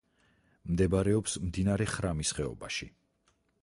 მდებარეობს მდინარე ხრამის ხეობაში.